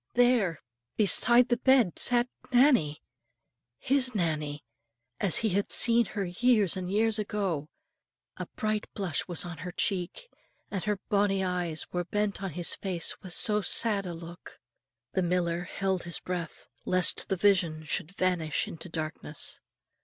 there, beside the bed, sat Nannie, his Nannie, as he had seen her years and years ago; a bright blush was on her cheek, and her bonnie eyes were bent on his face with so sad a look. The miller held his breath, lest the vision should vanish into darkness.